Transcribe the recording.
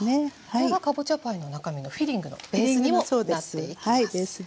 これがかぼちゃパイの中身のフィリングのベースにもなっていきます。